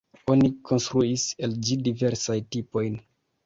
Oni konstruis el ĝi diversajn tipojn.